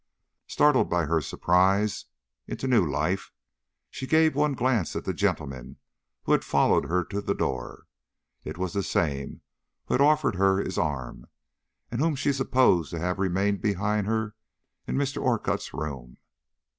Startled by her surprise into new life, she gave one glance at the gentleman who had followed her to the door. It was the same who had offered her his arm, and whom she supposed to have remained behind her in Mr. Orcutt's room.